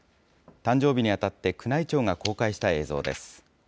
誕生日にあたって宮内庁が公開した映像です。